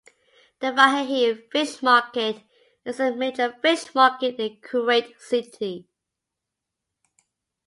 The Fahaheel Fish Market is a major fish market in Kuwait City.